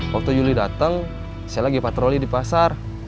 waktu juli datang saya lagi patroli di pasar